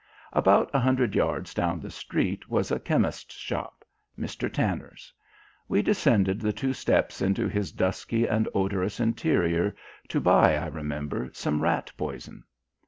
About a hundred yards down the street was a chemist's shop Mr. Tanner's. We descended the two steps into his dusky and odorous interior to buy, I remember, some rat poison.